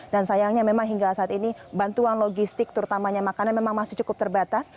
dan sayangnya memang hingga saat ini bantuan logistik terutamanya makanan memang masih cukup terbatas